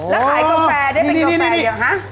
แล้วขายกาแฟได้เป็นกาแฟเหรอคะ